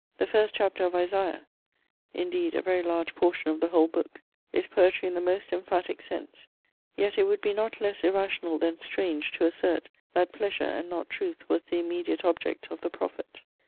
The first chapter of Isaiah (indeed a very large portion of the whole book) is poetry in the most emphatic sense; yet it would be not less irrational than strange to assert, that pleasure, and not truth was the immediate object of the prophet.